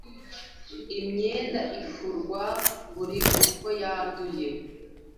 Imyenda ifurwa buri uko yanduye